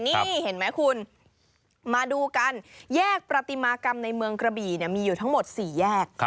นี่เห็นไหมคุณมาดูกันแยกประติมากรรมในเมืองกระบี่มีอยู่ทั้งหมด๔แยก